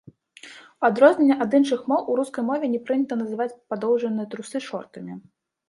У адрозненне ад іншых моў, у рускай мове не прынята называць падоўжаныя трусы шортамі.